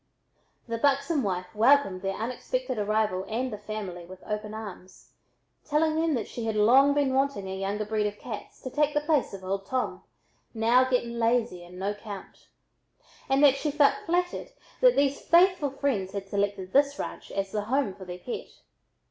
The buxom wife welcomed their unexpected arrival and the "family" with open arms, telling them that she had long been wanting a younger breed of cats to take the place of "old Tom," now getting lazy and "no 'count," and that she felt flattered that these faithful friends had selected this ranch as the home for their pet.